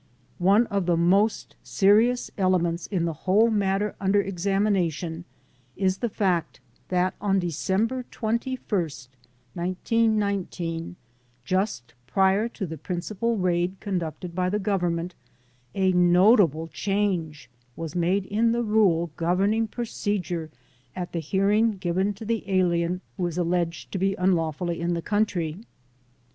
One of the most serious elements in the whole matter under exami nation is the fact that on December 21, 1919, just prior to the principal raid conducted by the Government, a notable' change was made in the rule governing pro HOW THE ALIENS WERE TRIED 37 cedure at the hearing given to the alien who is alleged to be unlawfully in the country.